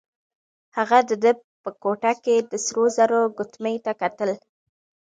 هغه د ده په ګوته کې د سرو زرو ګوتمۍ ته کتل.